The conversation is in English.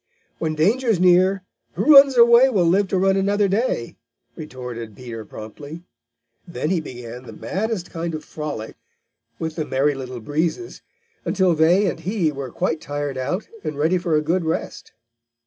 "When danger's near, who runs away will live to run another day," retorted Peter promptly. Then he began the maddest kind of a frolic with the Merry Little Breezes until they and he were quite tired out and ready for a good rest.